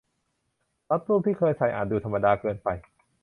รัดรูปที่เคยใส่อาจดูธรรมดาเกินไป